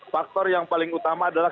faktor yang paling utama adalah